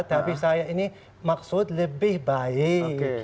tapi saya ini maksud lebih baik